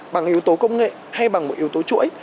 bằng yếu tố công nghệ hay bằng một yếu tố chuỗi